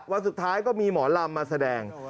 วันสุดท้ายก็มีหมอลำมาแสดง